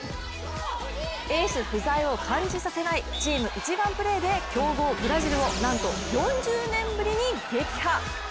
エース不在を感じさせないチーム一丸プレーで強豪・ブラジルをなんと４０年ぶりに撃破。